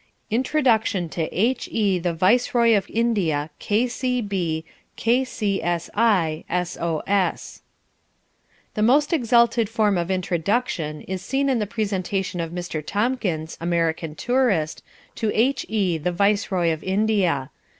Introduction to H.E. the Viceroy of India, K.C.B., K.C.S.I., S.O.S. The most exalted form of introduction is seen in the presentation of Mr. Tomkins, American tourist, to H.E. the Viceroy of India.